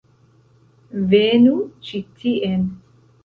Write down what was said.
Venu ĉi tien